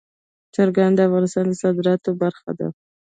چرګان د افغانستان د صادراتو برخه ده.